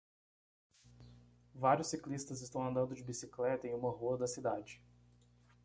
Vários ciclistas estão andando de bicicleta em uma rua da cidade.